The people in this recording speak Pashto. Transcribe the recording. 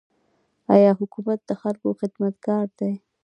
آیا حکومت د خلکو خدمتګار دی؟